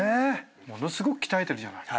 ものすごく鍛えてるじゃない？